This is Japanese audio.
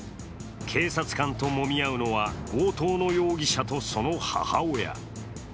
警察官ともみ合うのは強盗の容疑者と、その母親。